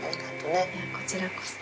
こちらこそ。